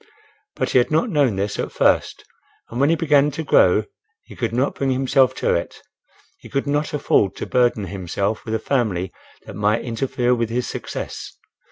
But he had not known this at first, and when he began to grow he could not bring himself to it. He could not afford to burden himself with a family that might interfere with his success.